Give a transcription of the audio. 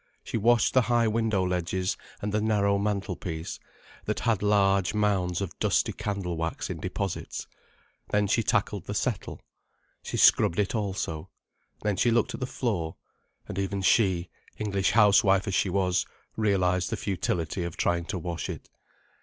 She washed the high window ledges and the narrow mantel piece, that had large mounds of dusty candle wax, in deposits. Then she tackled the settle. She scrubbed it also. Then she looked at the floor. And even she, English housewife as she was, realized the futility of trying to wash it.